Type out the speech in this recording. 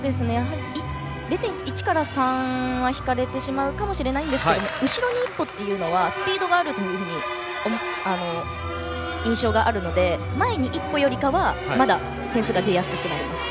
０．１から０．３は引かれてしまうかもしれないんですけど後ろに１歩というのはスピードがあるという印象があるので前に１歩よりかはまだ点数が出やすくなります。